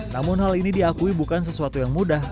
namun hal ini diakui bukan sesuatu yang mudah